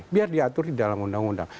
biar diatur di dalam undang undang